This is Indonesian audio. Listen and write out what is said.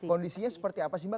kondisinya seperti apa sih mbak